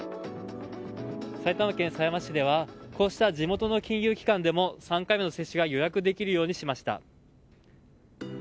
埼玉県狭山市ではこうした地元の金融機関でも３回目の接種が予約できるようにしました。